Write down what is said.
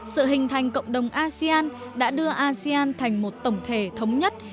sự hình thành cộng đồng asean đã đưa asean thành một tổng thể thống nhất